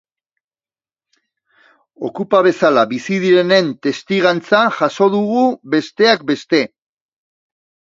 Okupa bezala bizi direnen testigantza jaso dugu, besteak beste.